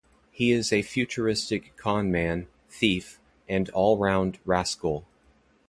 He is a futuristic con man, thief, and all-round rascal.